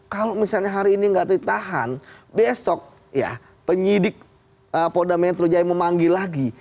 kalau misalnya hari ini nggak ditahan besok ya penyidik polda metro jaya memanggil lagi